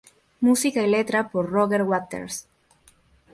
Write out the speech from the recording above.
Música y letra por Roger Waters.